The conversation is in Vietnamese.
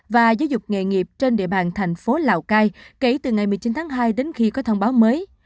và giáo dục nghề nghiệp trên địa bàn thành phố lào cai kể từ ngày một mươi chín tháng hai đến khi có thông báo mới